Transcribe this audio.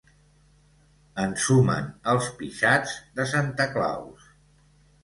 Ensumen els pixats de Santa Claus.